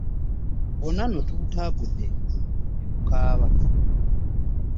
Bwonna nno tubutaagudde, ne bukaaba